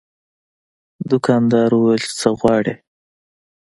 دوکاندار وویل چې څه غواړې.